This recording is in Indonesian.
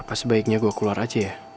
apa sebaiknya gue keluar aja ya